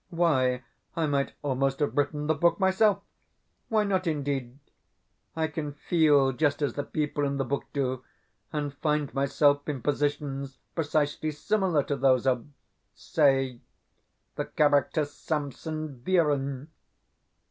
Why, I might almost have written the book myself! Why not, indeed? I can feel just as the people in the book do, and find myself in positions precisely similar to those of, say, the character Samson Virin.